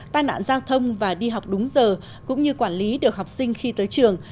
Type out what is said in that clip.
tai nạn giao thông và đi học đúng giờ cũng như quản lý được học sinh khi tới trường